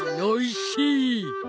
おいしい！